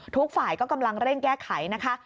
ทุกฝ่ายก็กำลังเร่งแก้ไขนะคะ